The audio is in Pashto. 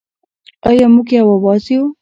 آیا موږ یو اواز یو؟